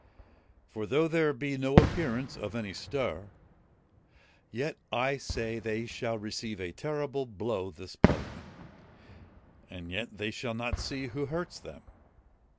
For though there be no appearance of any stir, yet I say they shall receive a terrible blow this parliament, and yet they shall not see who hurts them.